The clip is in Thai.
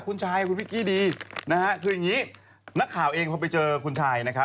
คุณชายคุณพิกกี้ดีนะฮะคืออย่างนี้นักข่าวเองพอไปเจอคุณชายนะครับ